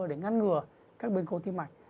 để ngăn ngừa các bên cố tim mạch